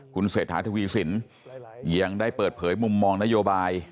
คุณเศรษฐาทวีสินยังได้เปิดเผยมุมมองนโยบาย